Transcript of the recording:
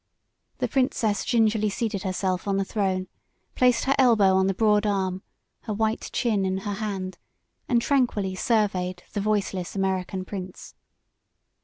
The princess gingerly seated herself on the throne, placed her elbow on the broad arm, her white chin in her hand, and tranquilly surveyed the voiceless American prince.